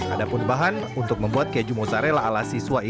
ada pun bahan untuk membuat keju mozzarella ala siswa ini